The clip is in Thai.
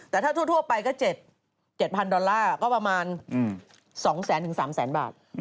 แต่ถ้าทั่วไปก็๗๐๐ดอลลาร์ก็ประมาณ๒แสนถึง๓แสนบาท